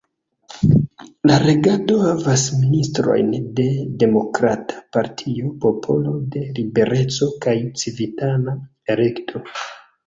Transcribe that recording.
La regado havas ministrojn de Demokrata Partio, Popolo de Libereco kaj Civitana Elekto.